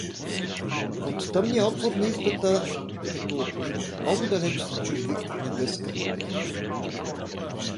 От тъмния отвор на избата, като от много далеч, се чу вик на гъска.